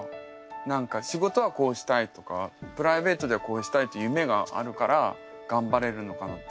何か仕事はこうしたいとかプライベートではこうしたいって夢があるからがんばれるのかなって